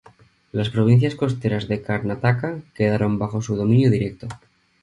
Las provincias costeras de Karnataka quedaron bajo su dominio directo.